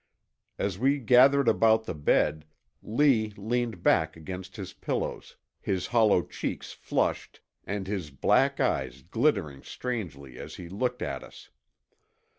As we gathered about the bed, Lee leaned back against his pillows, his hollow cheeks flushed and his black eyes glittering strangely as he looked at us.